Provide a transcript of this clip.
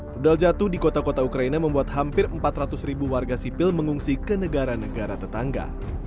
pedal jatuh di kota kota ukraina membuat hampir empat ratus ribu warga sipil mengungsi ke negara negara tetangga